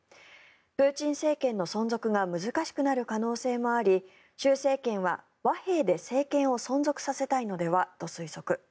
プーチン政権の存続が難しくなる可能性もあり習政権は和平で政権を存続させたいのではと推測。